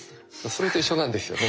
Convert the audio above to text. それと一緒なんですよね。